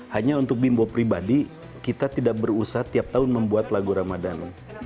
hanya untuk bimbo pribadi kita tidak berusaha tiap tahun membuat lagu ramadan